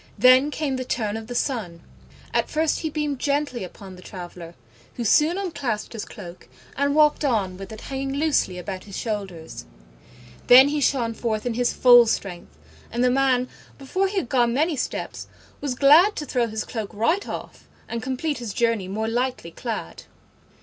Then came the turn of the Sun. At first he beamed gently upon the traveller, who soon unclasped his cloak and walked on with it hanging loosely about his shoulders: then he shone forth in his full strength, and the man, before he had gone many steps, was glad to throw his cloak right off and complete his journey more lightly clad.